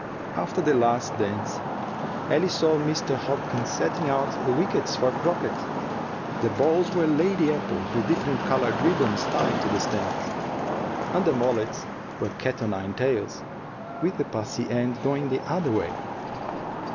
After the last dance, Ellie saw Mr. Hopkins setting out the wickets for croquet. The balls were lady apples with different colored ribbons tied to the stems, and the mallets were cat o' nine tails, with the pussy end going the other way.